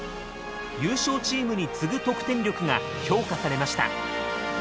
優勝チームに次ぐ得点力が評価されました。